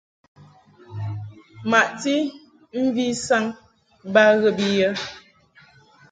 Maʼti mvi saŋ ba ghə bi yə.